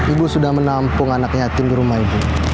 ibu sudah menampung anak yatim di rumah ibu